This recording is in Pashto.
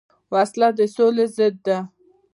وسله د سولې ضد ده